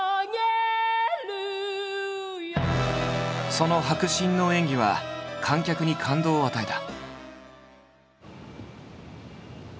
その迫真の演技は観客に感動を与えた。